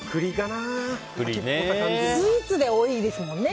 スイーツで多いですもんね。